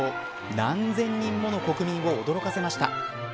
何千人もの国民を驚かせました。